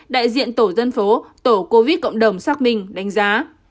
đại diện tổ dân phố tổ covid cộng đồng xác minh đánh giá